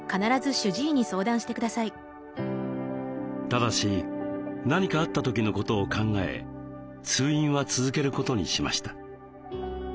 ただし何かあった時のことを考え通院は続けることにしました。